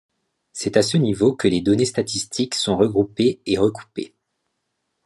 C'est à ce niveau que les données statistiques sont regroupées et recoupées.